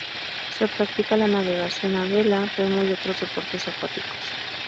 Se practica la navegación a vela, remo y otros deportes acuáticos.